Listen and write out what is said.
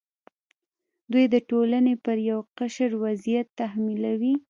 دوی د ټولنې پر یو قشر وضعیت تحمیلوي.